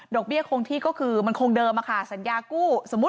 ดอกเบี้ยโค้งที่ก็คือมันโค้งเดิมค่ะสัญญากู้